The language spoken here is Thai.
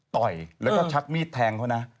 ต่อยแล้วก็ชักมีดแทงเขานะ